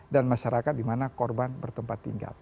dan masyarakat di mana korban bertempat tinggal